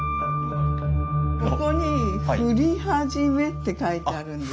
ここに「ふりはじめ」って書いてあるんです。